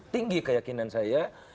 tinggi keyakinan saya